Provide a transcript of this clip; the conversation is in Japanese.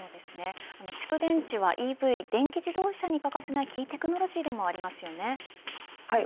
蓄電池はＥＶ電気自動車に欠かせないキーテクノロジーでもありますよね。